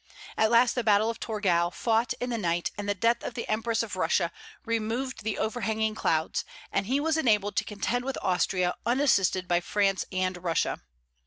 At last the battle of Torgau, fought in the night, and the death of the Empress of Russia, removed the overhanging clouds, and he was enabled to contend with Austria unassisted by France and Russia.